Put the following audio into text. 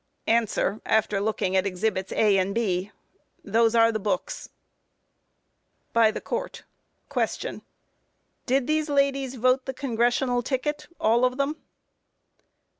A. (After looking at Exhibits A. and B.) Those are the books. By THE COURT: Q. Did these ladies vote the Congressional ticket, all of them?